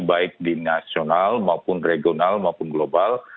baik di nasional maupun regional maupun global